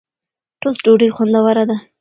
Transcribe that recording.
ټوسټ ډوډۍ خوندوره ده.